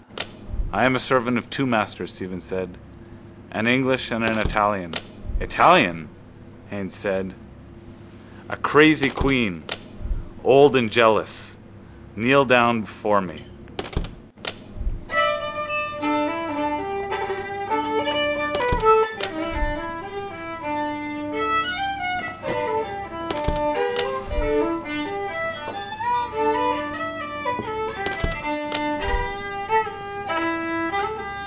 —I am a servant of two masters, Stephen said, an English and an Italian. —Italian? Haines said. A crazy queen, old and jealous. Kneel down before me.